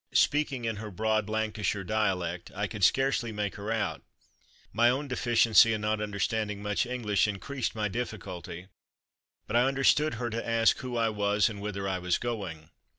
Speaking in her broad Lancashire dialect I could scarcely make her out. My own deficiency in not understanding much English increased my difficulty, but I understood her to ask "Who I was, and whither I was going."